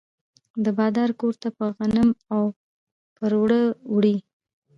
د بادار کور ته به غنم او پروړه وړي.